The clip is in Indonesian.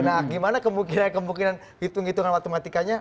nah gimana kemungkinan kemungkinan hitung hitungan matematikanya